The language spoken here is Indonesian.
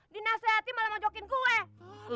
dinasihati malah ngejokin gue